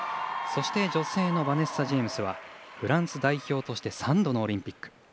そして、女性のバネッサ・ジェイムスはフランス代表として３度のオリンピック。